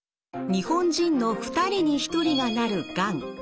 日本人の２人に１人がなるがん。